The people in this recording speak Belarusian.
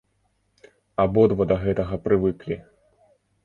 Абодва да гэтага прывыклі.